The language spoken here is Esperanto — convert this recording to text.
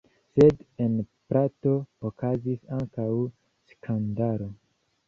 Sed en Prato okazis ankaŭ skandalo.